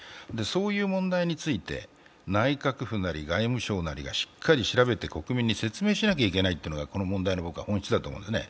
そういう問題について内閣府なり外務省なりがしっかり国民に説明しなければいけないというのがこの問題の本質だと思うんです。